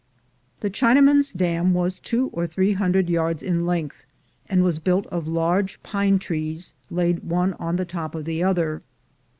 The Chinamen's dam was two or three hundred yards in length, and was built of large pine trees laid one on the top of the other.